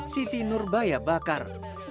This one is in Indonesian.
siti nurbaya bakar